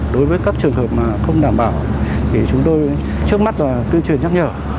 đối với các trường hợp không đảm bảo chúng tôi trước mắt tuyên truyền nhắc nhở